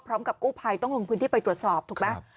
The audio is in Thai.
พร้อมกับกู้ภัยต้องลงพื้นที่ไปตรวจสอบถูกไหม